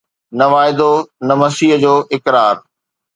نه واعدو، نه مسيح جو اقرار